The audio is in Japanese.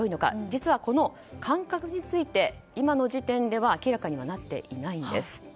実は、この間隔について今の時点では明らかに放っていないんです。